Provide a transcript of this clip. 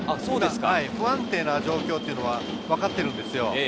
不安定な状況は分かっているんですよ。